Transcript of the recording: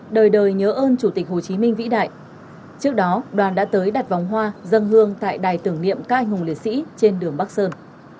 đời đời nhớ ơn chủ tịch hồ chí minh vĩ đại trước đó đoàn đã tới đặt vòng hoa dân hương tại đài tưởng niệm các anh hùng liệt sĩ trên đường bắc sơn